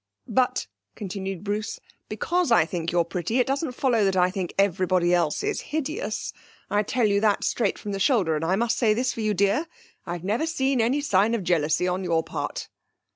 'But,' continued Bruce, 'because I think you pretty, it doesn't follow that I think everybody else is hideous. I tell you that straight from the shoulder, and I must say this for you, dear, I've never seen any sign of jealousy on your part.'